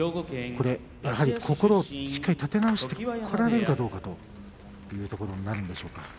やはり心を立て直してこられるかというところになるでしょうか。